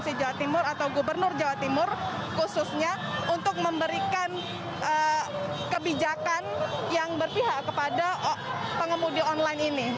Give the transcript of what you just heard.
provinsi jawa timur atau gubernur jawa timur khususnya untuk memberikan kebijakan yang berpihak kepada pengemudi online ini